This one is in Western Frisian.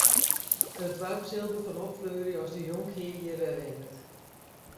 It doarp sil derfan opfleurje as de jonkhear hjir wer wennet.